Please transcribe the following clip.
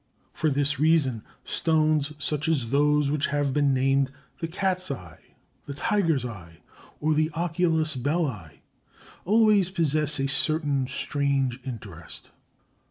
For this reason, stones such as those which have been named the cat's eye, the tiger's eye, or the oculus Beli, always possess a certain strange interest.